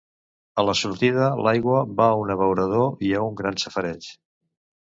A la sortida l'aigua va a un abeurador i a un gran safareig.